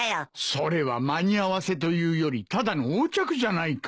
それは間に合わせというよりただの横着じゃないか？